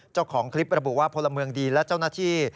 เจ้าของคลิประบุว่าพลเมืองดีและเจ้าหน้าที่